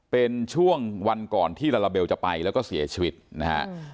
เป็นช่วงวันก่อนที่ลาลาเบลจะไปแล้วก็เสียชีวิตนะฮะ